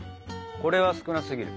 これは少なすぎる？